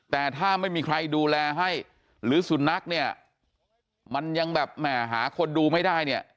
แต่ถ้าไม่มีใครดูแลให้หรือสุนัขเนี่ยมันยังแบบแหม่หาคนดูไม่ได้เนี่ย